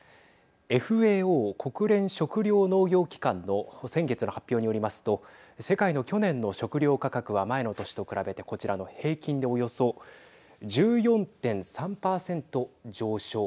ＦＡＯ＝国連食糧農業機関の先月の発表によりますと世界の去年の食料価格は前の年と比べてこちらの平均でおよそ１４．３％上昇。